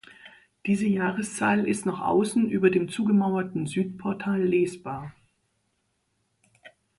Diese Jahreszahl ist noch außen über dem zugemauerten Südportal lesbar.